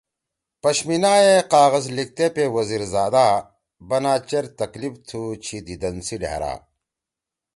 پشمینا ئے قاغذ لیِگتے پے وزیرزادا بنا چیر تکلیف تُھو چھی دیدن سی ڈھأرا